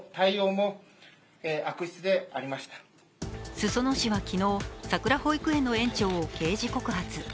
裾野市は昨日、さくら保育園の園長を刑事告発。